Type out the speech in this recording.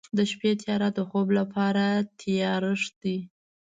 د شپې تیاره د خوب لپاره تیارښت دی.